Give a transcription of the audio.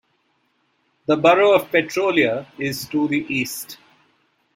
The borough of Petrolia is to the east.